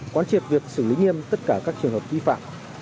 quan triệp việc xử lý nghiêm tất cả các trường hợp vi phạm